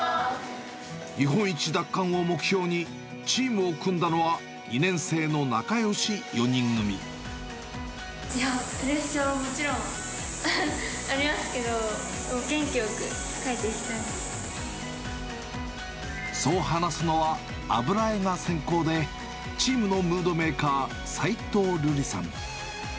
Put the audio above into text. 日本一奪還を目標に、チームを組んだのは、プレッシャーはもちろんありますけど、そう話すのは、油絵が専攻で、チームのムードメーカー、齊藤るりさん。